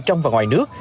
trong và ngoài nước